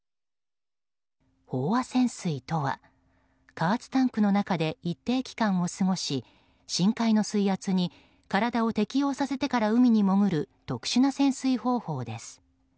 飽和潜水とは、加圧タンクの中で一定期間を過ごし深海の水圧に体を適応させてから海に潜る特殊な潜水方法です。